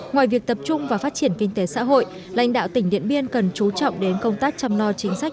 ngoài việc tập trung vào phát triển kinh tế xã hội lãnh đạo tỉnh điện biên cần chú trọng đến công tác chăm no chính sách